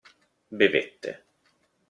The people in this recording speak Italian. Bevette.